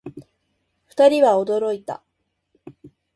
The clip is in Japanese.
二人は驚いた